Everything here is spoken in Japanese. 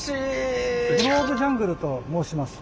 グローブジャングルと申します。